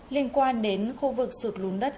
liên quan đến khu vực sụt lún đất